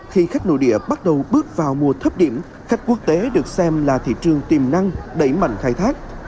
khi khách nội địa bắt đầu bước vào mùa thấp điểm khách quốc tế được xem là thị trường tiềm năng đẩy mạnh khai thác